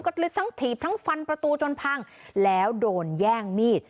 ก็เลยทั้งถีบทั้งฟันประตูจนพังแล้วโดนแย่งมีด